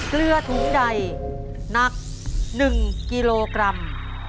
เกลือถุงใดหนัก๑กิโลกรัม